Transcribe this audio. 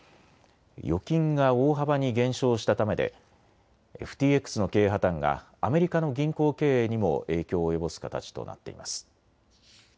預金が大幅に減少したためでＦＴＸの経営破綻がアメリカの銀行経営にも影響を及ぼす形となっています。